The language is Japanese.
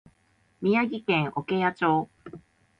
宮城県涌谷町